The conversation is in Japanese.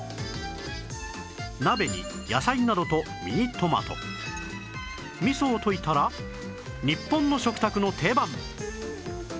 鍋に野菜などとミニトマト味噌を溶いたら日本の食卓の定番